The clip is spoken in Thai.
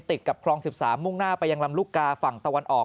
ติดกับคลอง๑๓มุ่งหน้าไปยังลำลูกกาฝั่งตะวันออก